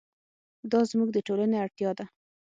دا زموږ د ټولنې اړتیا ده.